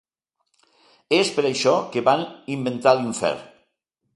És per això que van inventar l'infern.